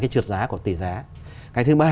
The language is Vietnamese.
cái trượt giá của tỷ giá cái thứ ba